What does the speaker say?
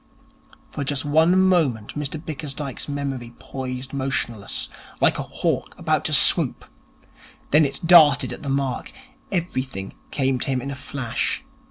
"' For just one moment Mr Bickersdyke's memory poised motionless, like a hawk about to swoop. Then it darted at the mark. Everything came to him in a flash.